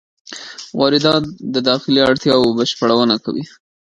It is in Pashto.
واردات د داخلي اړتیاوو بشپړونه کوي.